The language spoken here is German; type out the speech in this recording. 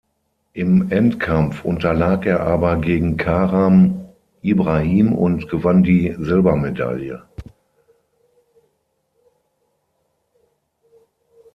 Im Endkampf unterlag er aber gegen Karam Ibrahim und gewann die Silbermedaille.